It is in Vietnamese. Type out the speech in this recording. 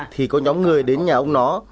thì có nhóm người đến nhà ông nó